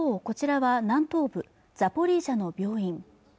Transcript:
こちらは南東部ザポリージャの病院